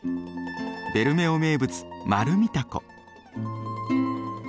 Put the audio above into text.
ベルメオ名物マルミタコ。